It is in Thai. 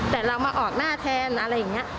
แต่เรามาออกหน้าแทนอะไรอย่างนี้